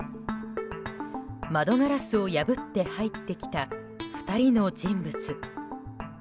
窓ガラスを破って入ってきた２人の人物。